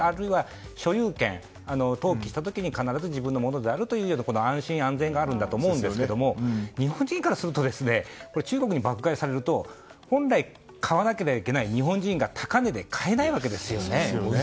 あるいは所有権、登記した時に必ず自分のものであるというような安心・安全があると思うんですが日本人からすると中国に爆買いされると本来買わなければいけない日本人が高値で買えないわけですよ。